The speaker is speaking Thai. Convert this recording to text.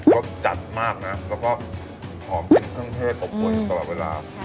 เขาจัดมากนะแล้วก็หอมกินเครื่องเทศกับคนตลอดเวลา